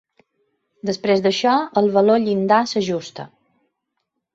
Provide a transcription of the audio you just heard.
Després d'això, el valor llindar s'ajusta.